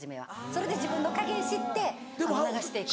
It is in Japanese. それで自分の加減知って流していく。